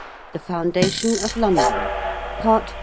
THE FOUNDATION OF LONDON. PART I.